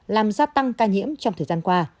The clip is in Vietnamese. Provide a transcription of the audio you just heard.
làm gia tăng ca nhiễm trong thời gian qua